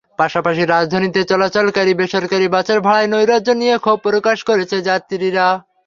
পাশাপাশি রাজধানীতে চলাচলকারী বেসরকারি বাসের ভাড়ায় নৈরাজ্য নিয়ে ক্ষোভ প্রকাশ করেছেন যাত্রীরা।